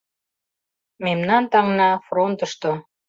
— Мемнан таҥна — фронтышто.